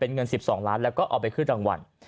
เงิน๑๒ล้านบาทและก็ออกไปคืนรางวัล